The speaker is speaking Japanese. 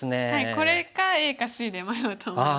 これかＡかＣで迷うと思います。